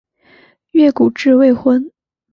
越谷治未婚。